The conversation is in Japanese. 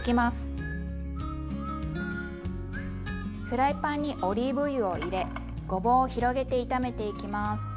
フライパンにオリーブ油を入れごぼうを広げて炒めていきます。